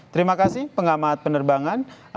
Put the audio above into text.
terima kasih pengamat penerbangan